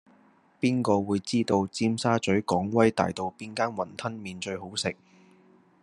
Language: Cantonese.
邊個會知道尖沙咀港威大道邊間雲吞麵最好食